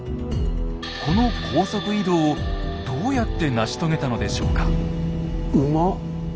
この高速移動をどうやって成し遂げたのでしょうか？